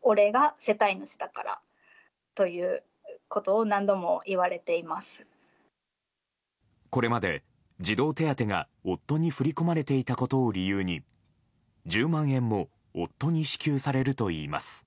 これまで児童手当が夫に振り込まれていたことを理由に１０万円も夫に支給されるといいます。